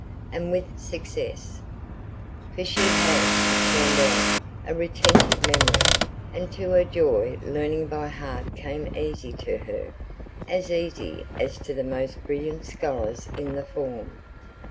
And with success. For she had, it turned out, a retentive memory, and to her joy learning by heart came easy to her as easy as to the most brilliant scholars in the form.